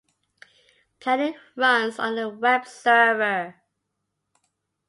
Planet runs on a web server.